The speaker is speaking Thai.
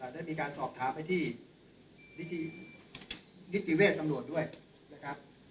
ได้มีการสอบถามไปที่นิติเวชตำรวจด้วยนะครับ